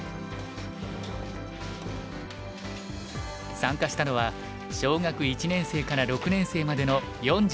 参加したのは小学１年生から６年生までの４５人。